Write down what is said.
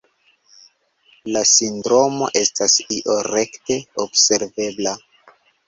La sindromo estas io rekte observebla.